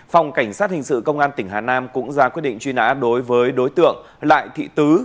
phòng cảnh sát hình sự công an tỉnh hà nam cũng ra quyết định truy nã đối với đối tượng lại thị tứ